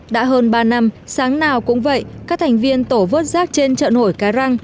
đã hơn ba năm sáng nào cũng vậy các thành viên tổ vớt rác trên chợ nổi cái răng